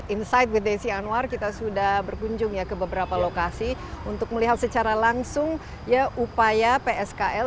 insight with desi anwar kita sudah berkunjung ya ke beberapa lokasi untuk melihat secara langsung ya upaya pskl